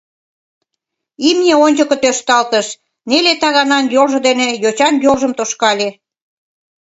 Имне ончыко тӧршталтыш, неле таганан йолжо дене йочан йолжым тошкале.